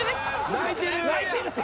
泣いてるて！